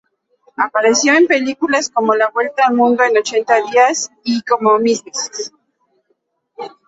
Apareció en películas como "La vuelta al mundo en ochenta días" y como Mrs.